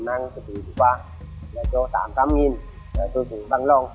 hôm đấy là họ đến nếu như nguyện chuyển cho bác là cho tám tám nghìn là tôi cũng bằng lòng